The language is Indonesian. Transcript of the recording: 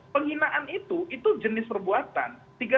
penghinaan itu jenis perbuatan